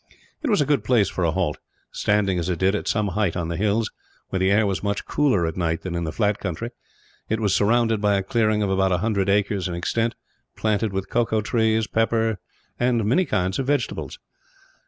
It was a good place for a halt; standing as it did at some height on the hills, where the air was much cooler at night than in the flat country. It was surrounded by a clearing of about a hundred acres in extent; planted with cacao trees, pepper, and many kinds of vegetables.